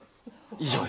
以上。